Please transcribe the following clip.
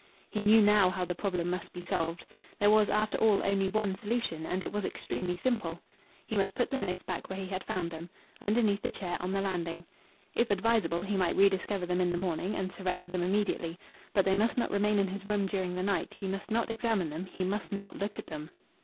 He knew now how the problem must be solved. There was, after all, only one solution, and it was extremely simple. He must put the notes back where he had found them, underneath the chair on the landing. If advisable, he might rediscover them in the morning and surrender them immediately. But they must not remain in his room during the night. He must not examine them he must not look at them.